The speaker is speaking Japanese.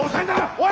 おい！